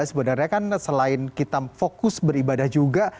sebenarnya kan selain kita fokus beribadah juga